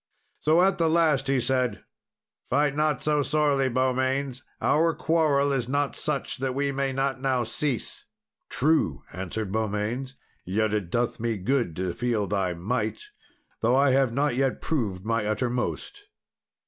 So, at the last, he said, "Fight not so sorely, Beaumains; our quarrel is not such that we may not now cease." "True," answered Beaumains; "yet it doth me good to feel thy might, though I have not yet proved my uttermost."